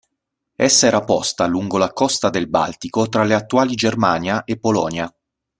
Essa era posta lungo la costa del Baltico tra le attuali Germania e Polonia.